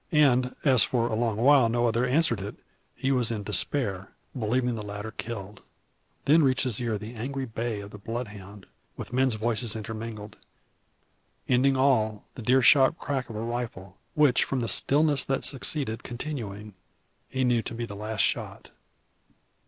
And, as for a long while no other answered it, he was in despair, believing the latter killed. Then reached his ear the angry bay of the bloodhound, with mens' voices intermingled; ending all the dear, sharp crack of a rifle; which, from the stillness that succeeded continuing, he knew to be the last shot.